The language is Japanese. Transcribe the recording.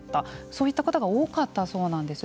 そういった方が多かったそうなんです。